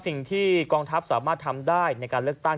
สิ่งที่กองทัพสามารถทำได้ในการเลือกตั้ง